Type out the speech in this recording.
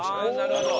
なるほど。